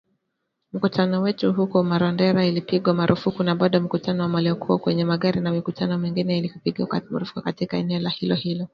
“Mkutano wetu huko Marondera ulipigwa marufuku na bado mkutano wa waliokuwa kwenye magari na mikutano mingine haikupigwa marufuku katika eneo hilo hilo.